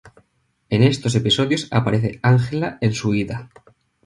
En estos episodios aparece Angela en su huida.